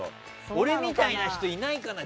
俺みたいな人いないから。